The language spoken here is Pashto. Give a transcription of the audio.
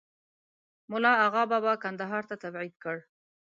مُلا آغابابا کندهار ته تبعید کړ.